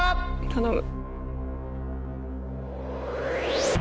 頼む。